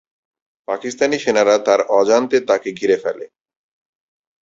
পাকিস্তানি সেনারা তার অজান্তে তাকে ঘিরে ফেলে।